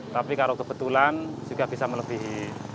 tapi kalau kebetulan juga bisa melebihi